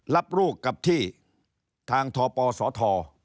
รับรูปกับที่ทางทปสท